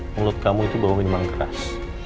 mulut kamu itu bawang minuman keras